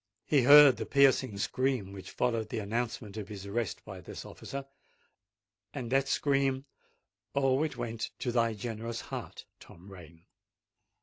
He heard the piercing scream which followed the announcement of his arrest by this officer; and that scream—oh! it went to thy generous heart, Tom Rain!